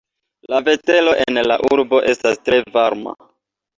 La vetero en la urbo estas tre varma.